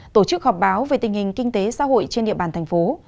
tổ chức họp báo về tình hình kinh tế xã hội trên địa bàn thành phố